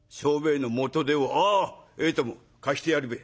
「ああええとも貸してやるべえ。